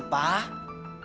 kenapa harus libatin neneng